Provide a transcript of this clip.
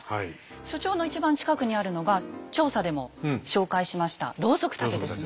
所長の一番近くにあるのが調査でも紹介しましたろうそく立てですね。